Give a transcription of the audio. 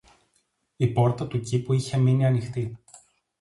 Η πόρτα του κήπου είχε μείνει ανοιχτή